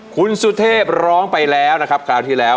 คุณสุเทพร้องไปแล้วนะครับคราวที่แล้ว